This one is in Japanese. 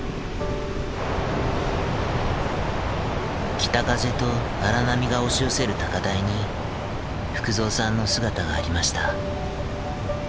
北風と荒波が押し寄せる高台に福蔵さんの姿がありました。